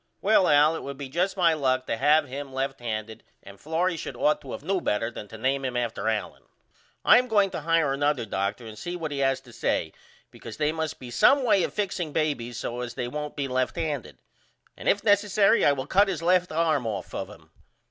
Well Al it would be just my luck to have him left handed and Florrie should ought to of knew better than to name him after Allen. I am going to hire another Dr. and see what he has to say because they must be some way of fixing babys so as they won't be left handed. And if nessary I will cut his left arm off of him.